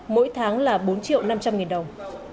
mỗi tháng là bốn triệu năm trăm linh nghìn đồng